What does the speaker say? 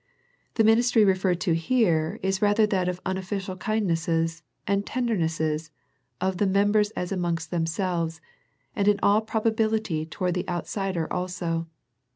The ministry referred to here is rather that of unofficial kindnesses and tendernesses of the members as amongst themselves, and in all probability toward the outsider also.